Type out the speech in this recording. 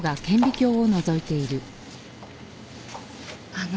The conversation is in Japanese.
あの。